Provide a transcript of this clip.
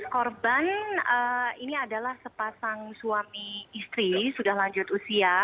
korban ini adalah sepasang suami istri sudah lanjut usia